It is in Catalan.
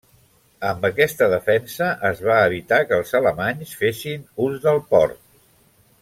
Amb aquesta defensa es va evitar que els alemanys fessin ús del port.